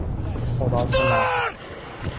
خوراک مغز